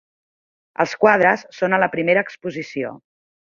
Els quadres són a la primera exposició.